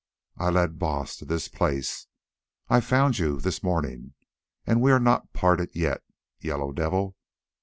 I led Baas to this place. I found you this morning, and we are not parted yet, Yellow Devil.